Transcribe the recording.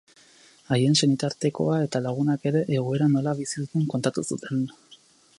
Haien senitarteko eta lagunek ere, egoera nola bizi duten kontatu zuten.